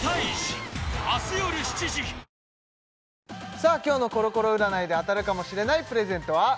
さあ今日のコロコロ占いで当たるかもしれないプレゼントは？